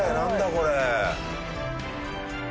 これ。